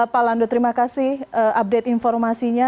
pak landu terima kasih update informasinya